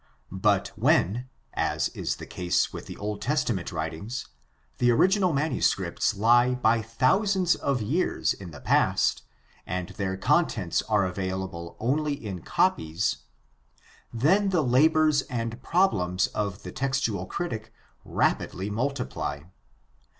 But when, as is the case with the Old Testament writings, the original manuscripts lie by thousands of years in the past and their contents are available only in copies, then the labors and problems of the textual critic rapidly multiply.